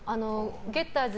ゲッターズ